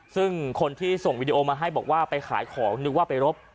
ซึ่งคนที่ส่งวีดีโอมาให้บอกว่าไปขายของนึกว่าไปรบ